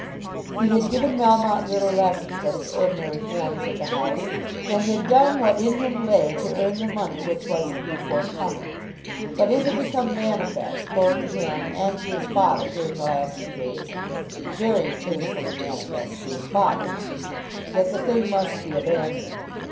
He had given Melmotte little lessons as to ordinary forms of the House, and had done what in him lay to earn the money which was to be forthcoming. But it had become manifest both to him and to his father during the last two days, very painfully manifest to his father, that the thing must be abandoned.